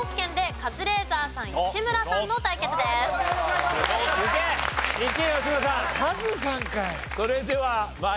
カズさんかい！